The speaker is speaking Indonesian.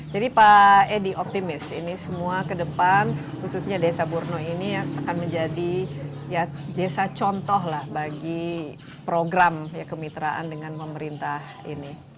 jadi pak edi optimis ini semua ke depan khususnya desa burno ini akan menjadi ya jasa contoh lah bagi program ya kemitraan dengan pemerintah ini